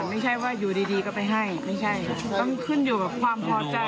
ไม่ใช่ว่าอยู่ดีก็ไปให้ไม่ใช่ต้องขึ้นอยู่กับความพอใจ